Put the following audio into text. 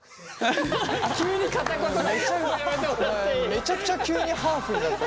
めちゃくちゃ急にハーフになった。